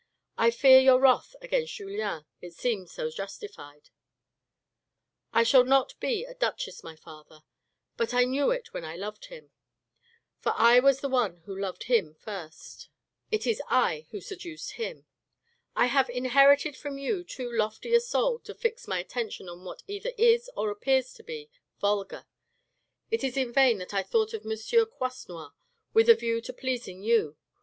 I fear your wrath against Julien, it seems so justified. I shall not be a duchess, my father ; but I knew it when I loved him ; for I was the one who loved him first, it was I who seduced him. I have inherited from you too lofty a soul to fix my attention on what either is or appears to be vulgar. It is in vain that I thought of M. Croisenois with a view to pleasing you.